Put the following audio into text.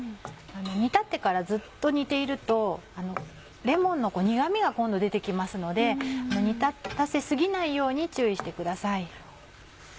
煮立ってからずっと煮ているとレモンの苦味が今度出て来ますので煮立たせ過ぎないように注意してください。